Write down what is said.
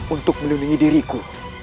untuk menelungi diriku